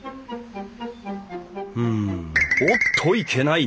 うんおっといけない。